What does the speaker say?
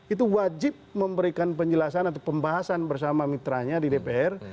itu wajib memberikan penjelasan atau pembahasan bersama mitranya di dpr